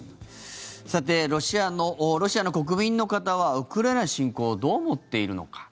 さて、ロシアの国民の方はウクライナ侵攻をどう思っているのか。